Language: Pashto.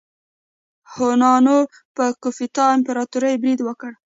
هونانو په ګوپتا امپراتورۍ برید وکړ.